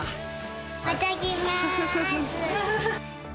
また来まーす。